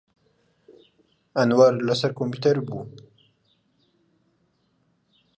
ئەنوەر لەسەر کۆمپیوتەر بوو.